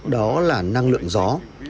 đó là năng lượng gió